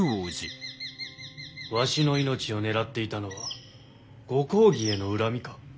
わしの命を狙っていたのはご公儀への恨みか？